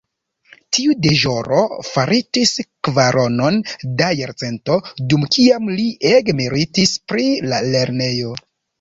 Tiu deĵoro faritis kvaronon da jarcento, dum kiam li ege meritis pri la lernejo.